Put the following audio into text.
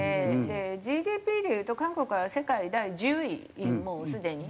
ＧＤＰでいうと韓国は世界第１０位もうすでに。